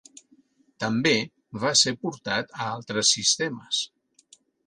També va ser portat a altres sistemes.